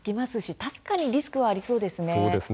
確かにリスクがありそうですね。